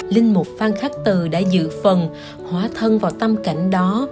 linh một phan khách từ đã dự phần hóa thân vào tâm cảnh đó